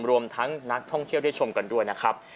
รวมทั้งนักท่องเที่ยวได้ชมกันด้วยนะครับ